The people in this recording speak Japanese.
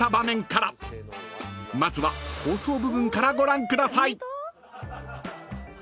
［まずは放送部分からご覧ください］